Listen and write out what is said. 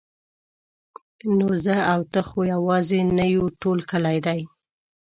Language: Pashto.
نو زه او ته خو یوازې نه یو ټول کلی دی.